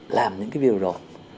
làm những cái điều đó